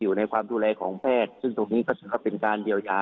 อยู่ในความดูแลของแพทย์ซึ่งตรงนี้ก็ถือว่าเป็นการเยียวยา